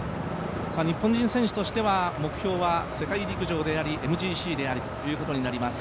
日本人選手としては目標は世界陸上でありＭＧＣでありということになります。